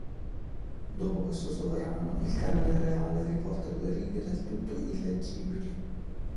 Dopo questo sovrano il Canone Reale riporta due righe del tutto illeggibili